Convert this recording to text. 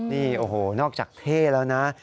นี่โอ้โหนอกจากเท่แล้วนะ